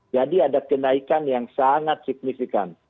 ada kenaikan yang sangat signifikan